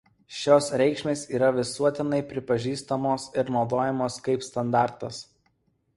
Šios reikšmės yra visuotinai pripažįstamos ir naudojamos kaip standartas.